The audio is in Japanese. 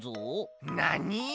なに？